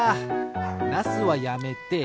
ナスはやめて。